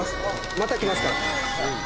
また来ますから。